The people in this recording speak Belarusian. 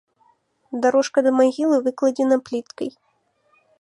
Дарожка да магілы выкладзена пліткай.